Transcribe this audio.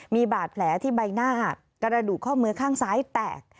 มีบาดแผลที่ใบหน้ากระดูกข้อมือข้างซ้ายแตก